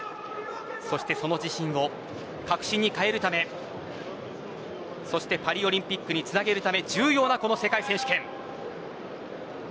そしてその自信を確信に変えるためそしてパリオリンピックにつなげるため重要なこの世界選手権。